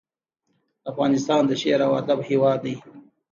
افغانستان د شعر او ادب هیواد دی